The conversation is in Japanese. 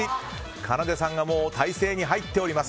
かなでさんが体勢に入っております。